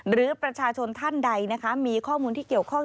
หรือประชาชนท่านใดนะคะมีข้อมูลที่เกี่ยวข้อง